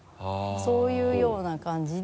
そういうような感じで。